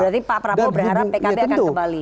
berarti pak prabowo berharap pkb akan kembali